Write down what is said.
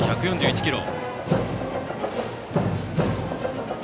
１４１キロ。